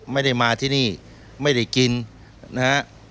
ไม่ได้มาที่นี่ไม่ได้กินนะฮะ